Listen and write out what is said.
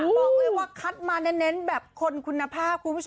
บอกเลยว่าคัดมาแน่แบบคนคุณภาพ